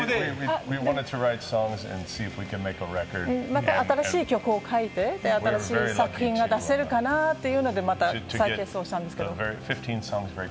また新しい曲を書いて、新しい作品が出せるかなというので再結成をしたんですけれども。